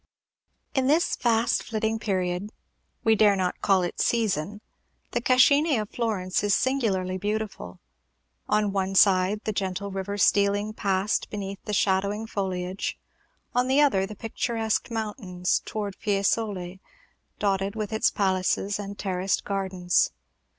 In this fast flitting period, we dare not call it season, the Cascine of Florence is singularly beautiful; on one side, the gentle river stealing past beneath the shadowing foliage; on the other, the picturesque mountain towards Fiesole, dotted with its palaces and terraced gardens.